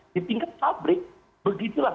di tingkat pabrik begitulah